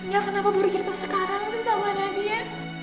ya kenapa berjalan pas sekarang sih sama nadia